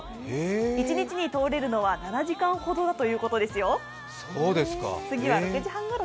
１日に通れるのは７時間ほどだということですよ。